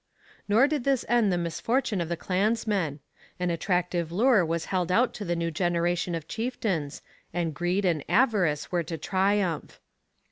Nor did this end the misfortunes of the clansmen. An attractive lure was held out to the new generation of chieftains, and greed and avarice were to triumph.